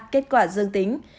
kết quả dương tính